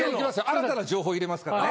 新たな情報入れますからね。